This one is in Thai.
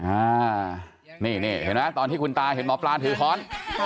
อ่านี่เห็นมั้ยตอนที่คุณตายเห็นหมอปลานถือค้อน